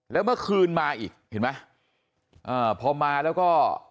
แล้วเมื่อคืนมาอีกเห็นไหมอ่าพอมาแล้วก็